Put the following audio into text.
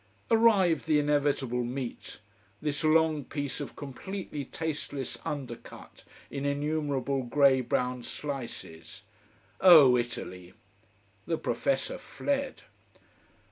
Arrived the inevitable meat this long piece of completely tasteless undercut in innumerable grey brown slices. Oh, Italy! The professor fled.